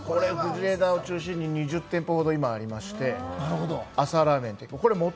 これ藤枝を中心に２０店舗ほど今ありまして、朝ラーメン。